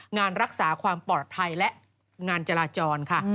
งานรักษาความปลอดภัยและงานจราจรค่ะ